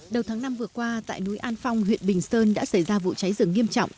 đầu tháng năm vừa qua tại núi an phong huyện bình sơn đã xảy ra vụ cháy rừng nghiêm trọng